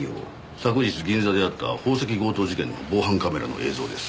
昨日銀座であった宝石強盗事件の防犯カメラの映像です。